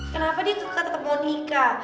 kenapa dia suka tetap mau nikah